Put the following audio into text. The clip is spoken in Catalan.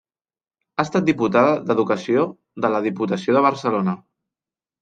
Ha estat diputada d'Educació de la Diputació de Barcelona.